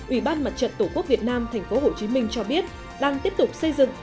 ủy ban mặt trận tổ quốc việt nam thành phố hồ chí minh cho biết đang tiếp tục xây dựng